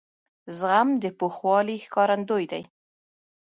زغم د پوخوالي ښکارندوی دی.